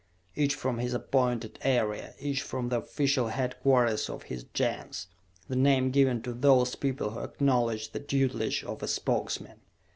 Each from his appointed area, each from the official headquarters of his Gens, the name given to those people who acknowledged the tutelage of a Spokesman.